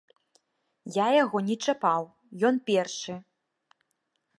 Я яго не чапаў, ён першы.